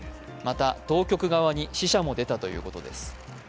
また、当局側に死者も出たということです。